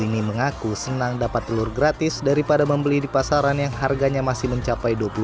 ini mengaku senang dapat telur gratis daripada membeli di pasaran yang harganya masih mencapai